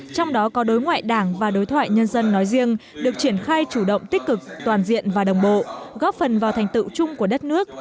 trong đó có đối ngoại đảng và đối thoại nhân dân nói riêng được triển khai chủ động tích cực toàn diện và đồng bộ góp phần vào thành tựu chung của đất nước